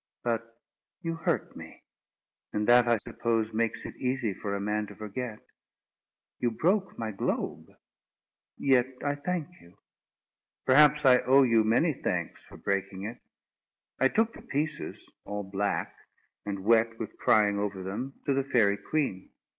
But you hurt me, and that, I suppose, makes it easy for a man to forget. You broke my globe. Yet I thank you. Perhaps I owe you many thanks for breaking it. I took the pieces, all black, and wet with crying over them, to the Fairy Queen.